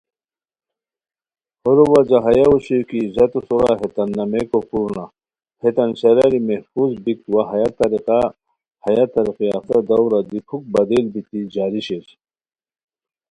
ہورو وجہ ہیہ اوشوئے کی عزتو سورا ہیتان نامئیکو پورنہ ہیتان شراری محفوظ بیک وا ہیہ طریقہ ہیہ ترقی یافتہ دَورہ دی پُھک بدل بیتی جاری شیر